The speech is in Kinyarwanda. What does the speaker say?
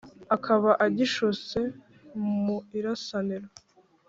akaba agishutse mu irasaniro